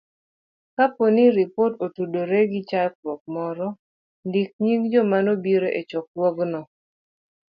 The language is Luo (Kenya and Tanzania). Kapo ni ripot otudore gi chokruok moro, ndik nying joma nobiro e chokruogno.